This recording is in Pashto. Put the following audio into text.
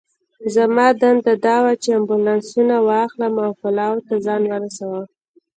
زما دنده دا وه چې امبولانسونه واخلم او پلاوا ته ځان ورسوم.